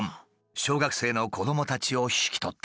小学生の子どもたちを引き取った。